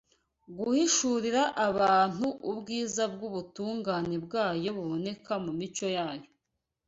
guhishurira abantu ubwiza bw’ubutungane bwayo buboneka mu mico yayo.